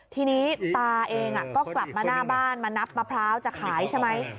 ทีนี้ตาเองก็กลับมาหน้าบ้านมานับมะพร้าวจะขายใช่ไหม